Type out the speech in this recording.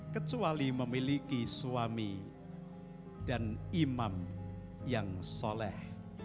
kecuali memiliki suami dan imam yang soleh